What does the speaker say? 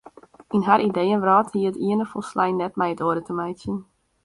Yn har ideeëwrâld hie it iene folslein net met it oare te meitsjen.